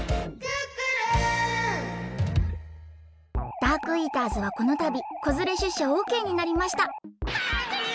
ダークイーターズはこのたびこづれしゅっしゃオッケーになりましたハングリー！